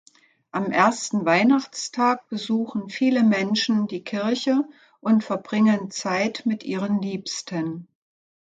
Am ersten Weihnachtstag besuchen viele Menschen die Kirche und verbringen Zeit mit ihren Liebsten.